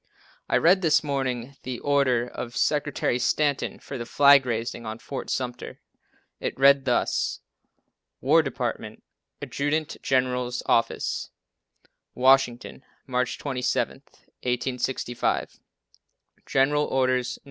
I read this morning the order of Secretary Stanton for the flag raising on Fort Sumter. It reads thus: "War department, Adjutant General's office, Washington, March 27th, 1865, General Orders No.